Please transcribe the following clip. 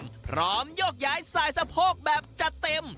พร้อมโยกย้ายสายสะโพกแบบจัดเต็ม